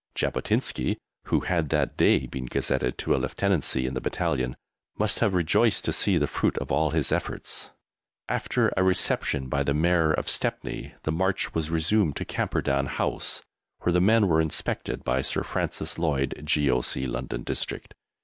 Jabotinsky (who had that day been gazetted to a Lieutenancy in the Battalion) must have rejoiced to see the fruit of all his efforts. After a reception by the Mayor of Stepney, the march was resumed to Camperdown House, where the men were inspected by Sir Francis Lloyd, G.O.C. London District.